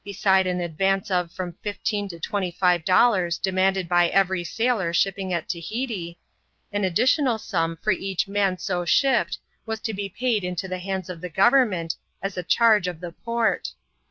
161 an advance of from fifteen to twenty five dollars demanded by every sailor shipping at Tahiti, an additional sum for each man 80 shipped has to be paid into the hands of the government, as t charge of the port.